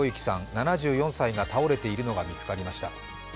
７４歳が倒れているのが見つかりました。